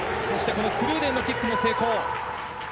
そしてクルーデンのキックの成功。